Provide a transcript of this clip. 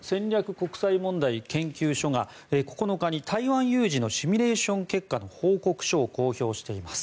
国際問題研究所が９日に台湾有事のシミュレーション結果の報告書を公表しています。